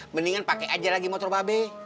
mendingan pake aja lagi motor babi